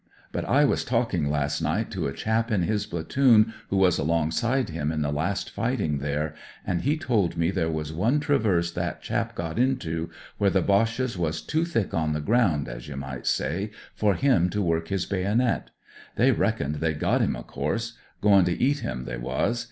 But I ^as talking last night k2 lit! i 186 AUSTRALIAN AS A FIGHTER to a chap in his platoon who was along side him in the last fightmg there, and he told me there was one traverse that chap got into where the Boches was too thick on the ground, as you might say, for him to work his bayonet. They reckoned they'd got him, of course ; goin' to eat him, they was.